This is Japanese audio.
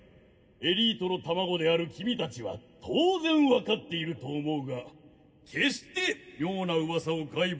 エリートの卵であるキミたちは当然わかっていると思うが決して妙な噂を外部に漏らさないように！